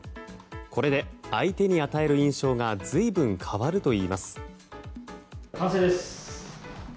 これで相手に与える印象が随分変わるといいます。